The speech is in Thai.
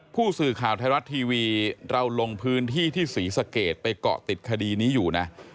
ผู้สื่อข่าวไทยรัฐทีวีเราลงพื้นที่ที่ศรีสะเกดไปเกาะติดคดีนี้อยู่นะ